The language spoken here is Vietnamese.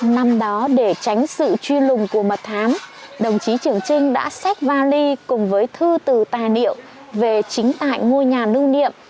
năm đó để tránh sự truy lùng của mặt thám đồng chí trường trinh đã xét vali cùng với thư từ tài niệm về chính tại ngôi nhà nưu niệm